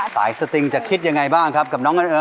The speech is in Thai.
สายสตริงจะคิดยังไงบ้าง